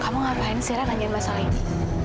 kamu ngapain siaran angin masalah ini